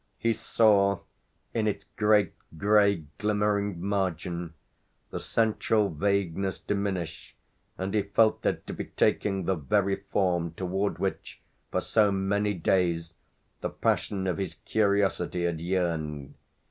He saw, in its great grey glimmering margin, the central vagueness diminish, and he felt it to be taking the very form toward which, for so many days, the passion of his curiosity had yearned.